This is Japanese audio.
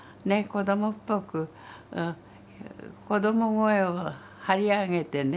子供っぽく子供声を張り上げてね